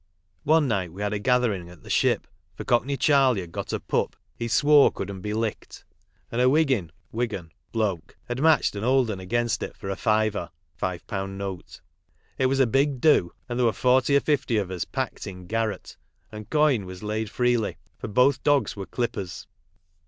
One night tfehad a gathering at the "Ship," for Cockney Chaney had got a pup be swore couldn't bo lick jd, and a Wiggin (VVigan) bloke had matched an old 'un against it for a fiver (£5 note). It was a big do, and there were forty or fifty of us packed in garret, and coin was laid freely, for both dogs were clippers.